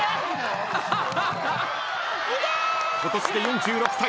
今年で４６歳。